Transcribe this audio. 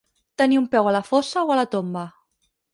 Tenir un peu a la fossa o a la tomba.